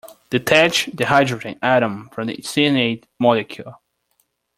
Detach the hydrogen atom from the cyanide molecule.